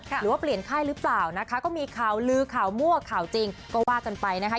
หรือว่าเปลี่ยนค่ายหรือเปล่านะคะก็มีข่าวลือข่าวมั่วข่าวจริงก็ว่ากันไปนะคะ